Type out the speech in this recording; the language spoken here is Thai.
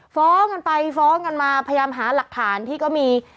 ฟ้องกันไปฟ้องกันมาพยายามหาหลักฐานที่ก็มี